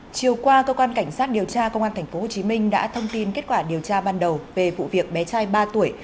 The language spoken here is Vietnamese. chiều qua cơ quan cảnh sát điều tra công an tp hcm đã thông tin kết quả điều tra ban đầu về vụ việc bé trai ba tuổi